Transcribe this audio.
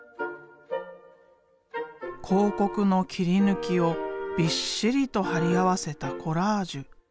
広告の切り抜きをびっしりと貼り合わせたコラージュ。